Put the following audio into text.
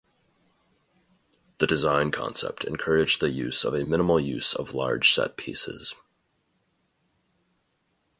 The design concept encouraged the use of a minimal use of large set pieces.